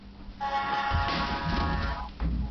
بدن ته مو په درنښت وګورئ.